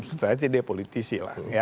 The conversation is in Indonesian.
ya saya jadi politisi lah